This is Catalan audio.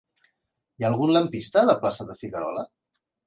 Hi ha algun lampista a la plaça de Figuerola?